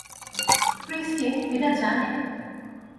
Christine এটা জানে?